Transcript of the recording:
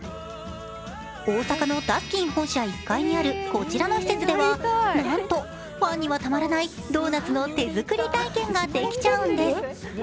大阪のダスキン本社１階にあるこちらの施設では、なんとファンにはたまらないドーナツの手作り体験ができちゃうんです。